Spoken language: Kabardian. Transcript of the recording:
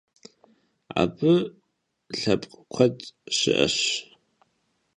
Abı lhepkh kued şı'eş.